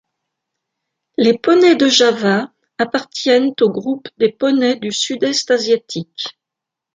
Les poneys de Java appartiennent au groupe des poneys du sud-est asiatique.